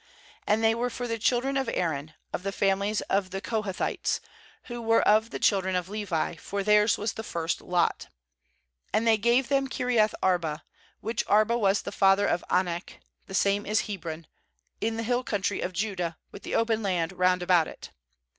10And they were for the chil dren of Aaron, of the families of the Kohathites, who were of the children of Levi; for theirs was the first lot. nAnd they gave them Kiriath arba, which Arba was the father of aAnak — the same is Hebron — in the hill country of Judah, with the open land round about it.